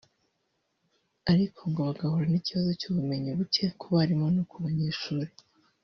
ariko ngo bagahura n’ikibazo cy’ubumenyi buke ku barimu no ku banyeshuri